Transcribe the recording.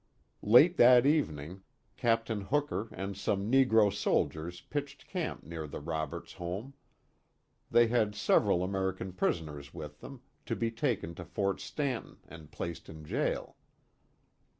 Late that evening, Captain Hooker and some negro soldiers pitched camp near the Roberts home. They had several American prisoners with them, to be taken to Fort Stanton and placed in jail.